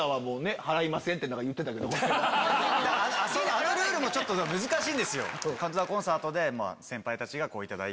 あのルールも難しいんですよ。